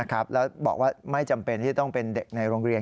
แล้วบอกว่าไม่จำเป็นที่ต้องเป็นเด็กในโรงเรียน